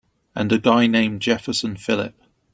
And a guy named Jefferson Phillip.